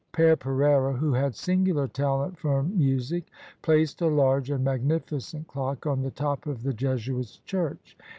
PerePereira, who had singular talent for music, placed a large and magnificent clock on the top of the Jesuits' church.